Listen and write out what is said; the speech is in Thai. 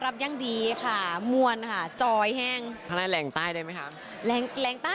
ได้ไหมคะแสงแรงใต้ไม่ได้ค่ะ